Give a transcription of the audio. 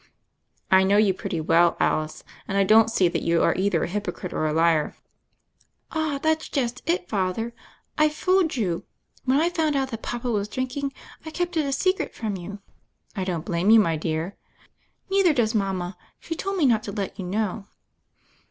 " "I know you pretty well, Alice, and I don't see that you are either a hypocrite or a liar." THE FAIRY OF THE SNOWS 151 "Ah, that's just it, Father 1 I've fooled you. When I found out that papa was drinking, I kept it a secret from you." "I don't blame you, my dear." "Neither does mama ; she told me not to let you know."